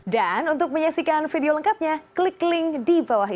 dan untuk menyaksikan video lengkapnya klik link di bawah ini